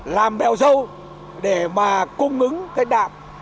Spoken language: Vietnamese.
làm bèo dâu để mà cung ứng cái đạm